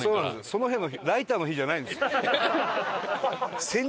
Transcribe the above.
その辺のライターの火じゃないんですよ。